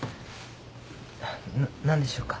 何でしょうか？